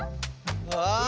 ああ！